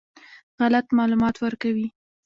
غلط معلومات ورکوي.